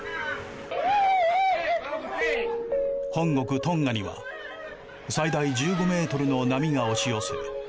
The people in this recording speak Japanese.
本国トンガには最大１５ｍの波が押し寄せ